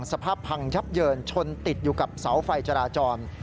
สภาพพังยับเยินชนติดอยู่กับเสาไฟจราจร